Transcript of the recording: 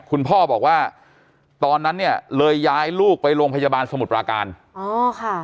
คุณพ่อบอกว่าตอนนั้นเนี่ยเลยย้ายลูกไปโรงพยาบาลสมุทรปราการอ๋อค่ะ